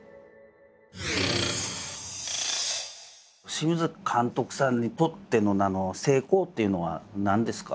清水監督さんにとっての成功っていうのは何ですか？